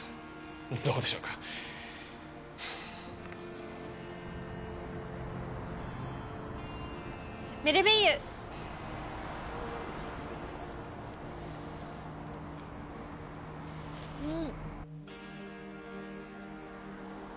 どうでしょうかメルベイユうん！